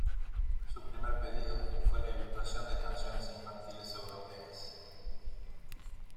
Su primer pedido fue la ilustración de canciones infantiles europeas.